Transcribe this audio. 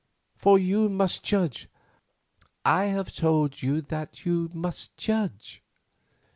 For you must judge; I have told you that you must judge."